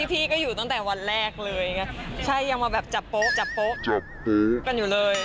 พี่ก็อยู่ตั้งแต่วันแรกเลยยังมาจับโป๊ะกันอยู่เลย